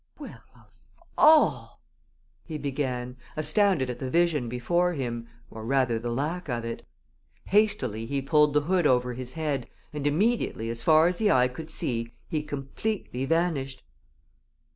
_ "Well of all " he began, astounded at the vision before him, or rather the lack of it. Hastily he pulled the hood over his head, and immediately, as far as the eye could see, he completely vanished.